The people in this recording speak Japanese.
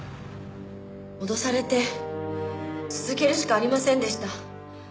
脅されて続けるしかありませんでした。